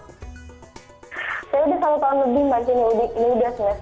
saya sudah selama tahun lebih ini sudah semester tiga di sini